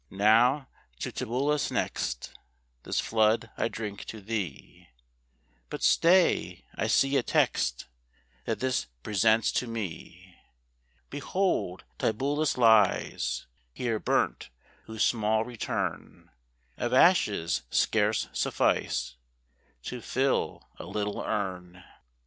Now, to Tibullus next, This flood I drink to thee; But stay, I see a text, That this presents to me. Behold! Tibullus lies Here burnt, whose small return Of ashes scarce suffice To fill a little urn.